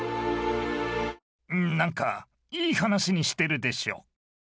何かいい話にしてるでしょ！